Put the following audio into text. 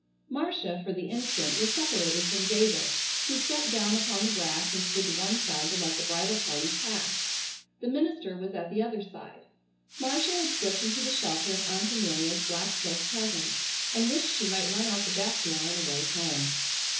Marcia, for the instant, was separated from David, who stepped down upon the grass and stood to one side to let the bridal party pass. The minister was at the other side. Marcia had slipped into the shelter of Aunt Amelia's black silk presence and wished she might run out the back door and away home.